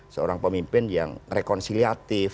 seorang pemimpin yang rekonsiliatif